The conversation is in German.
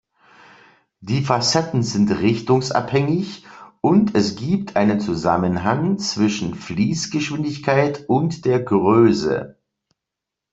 Die Facetten sind richtungsabhängig und es gibt einen Zusammenhang zwischen Fließgeschwindigkeit und der Größe.